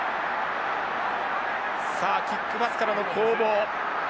さあキックパスからの攻防。